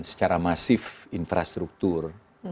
secara masif infrastruktur